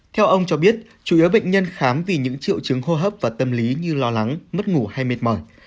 theo ông cho biết chủ yếu bệnh nhân khám vì những triệu chứng hô hấp và tâm lý như lo lắng mất ngủ hay mệt mỏi